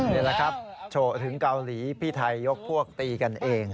นี่แหละครับโฉถึงเกาหลีพี่ไทยยกพวกตีกันเอง